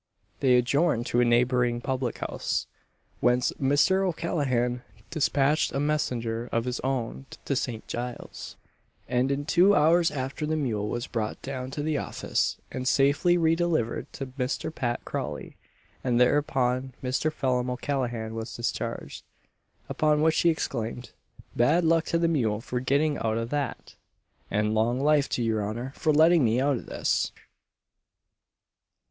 They adjourned to a neighbouring public house, whence Mr. O'Callaghan despatched a messenger of his own to St. Giles's, and in two hours after the mule was brought down to the office and safely re delivered to Mr. Pat Crawley and thereupon Mr. Phelim O'Callaghan was discharged; upon which he exclaimed "Bad luck to the mule for getting out of that! and long life to your honour for letting me out of this!"